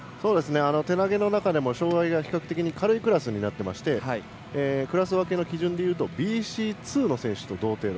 手投げの中でも障がいが比較的軽いクラスでクラス分けの基準でいうとＢＣ２の選手と同程度。